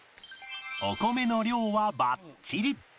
お米の量はバッチリ